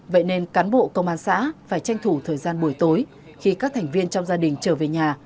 vậy nên cán bộ công an xã phải tranh thủ thời gian buổi tối khi các thành viên trong gia đình trở về nhà